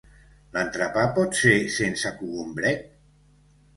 L'entrepà pot ser sense cogombret?